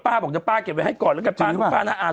ป้าบอกเถอะป้าเก็บไว้ก่อนแล้วกันป้าน้าน่าอ่าน